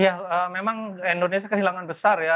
ya memang indonesia kehilangan besar ya